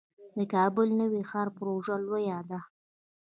د کابل نوی ښار پروژه لویه ده